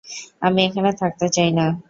আমি এখানে থাকতে চাই না।